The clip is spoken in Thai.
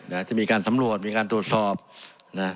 นะจะมีการสำรวจมีการตรวจสอบนะฮะ